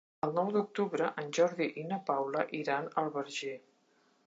El nou d'octubre en Jordi i na Paula iran al Verger.